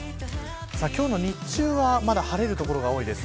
今日の日中はまだ晴れる所が多いです。